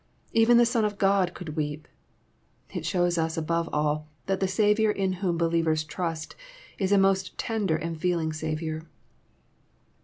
Even the Son of God could weep. — ^It shows us, above all, that the Saviour in whom believers trust is a most tender and feeling Saviour.